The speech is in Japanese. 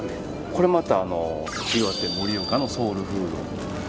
これまた岩手・盛岡のソウルフード。